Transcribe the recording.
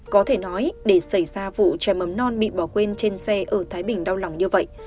có thể nói để xảy ra vụ trẻ mầm non bị bỏ quên trên xe ở thái bình đau lòng như vậy